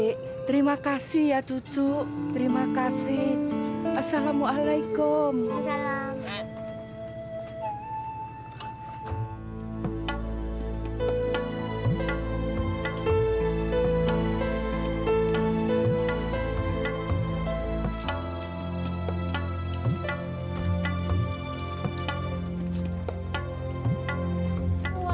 kita tidur di luar aja ya beo